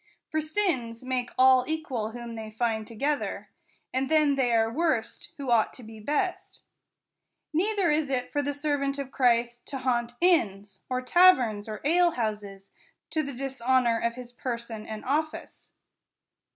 For sins make all equal whom they find together ; and then they are worst, who ought to be best. Neither is it for the servant of Christ to haunt inns, or taverns, or alehouses, to the dishonor of his person and office.